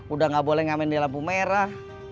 udah gak boleh ngamen di lampu merah